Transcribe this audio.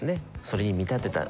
それに見立てた